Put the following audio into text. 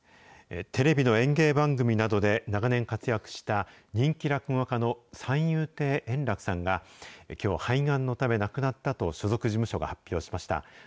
テレビの演芸番組などで長年活躍した、人気落語家の三遊亭円楽さんが、きょう肺がんのため亡くなったと所属事務所が発表しました。